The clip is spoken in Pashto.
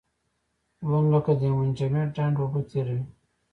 ژوند لکه د یو منجمد ډنډ اوبه تېروي.